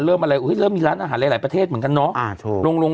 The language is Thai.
เริ่มมีร้านอาหารอาหารหลายประเทศเหมือนกันน้อ